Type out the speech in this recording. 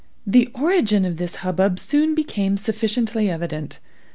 The origin of this hubbub soon became sufficiently evident.